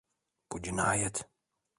Bu cinayet.